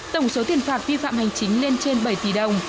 tổng số tiền phạt vi phạm hành chính lên trên bảy tỷ đồng